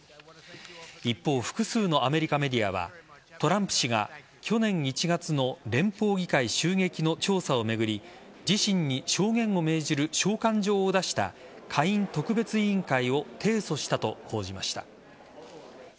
一方、複数のアメリカメディアはトランプ氏が去年１月の連邦議会襲撃の調査を巡り自身に証言を命じる召喚状を出した下院特別委員会を提訴したと報じました。